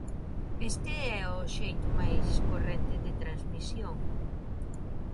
Este é o xeito máis corrente de transmisión.